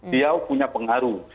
dia punya pengaruh